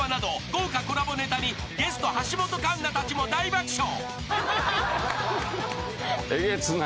豪華コラボネタにゲスト橋本環奈たちも大爆笑。